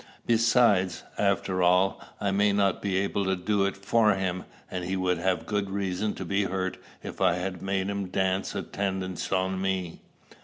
Besides, after all, I may not be able to do it for him, and he would have good reason to be hurt if I had made him dance attendance on me."